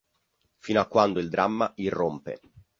Fino a quando il dramma irrompe.